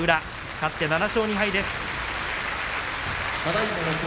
勝って７勝２敗です。